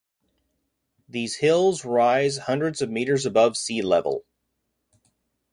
These hills rise hundreds of meters above sea level.